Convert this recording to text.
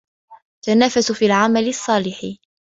تَنَافَسُوا فِي الْعَمَلِ الصَّالِحِ.